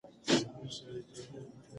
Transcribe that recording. زما خویندو او وروڼو.